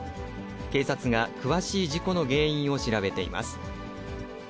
警察が詳しい事故の原因を調べています。